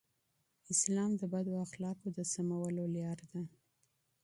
اسلام د بدو اخلاقو د سمولو لاره ده.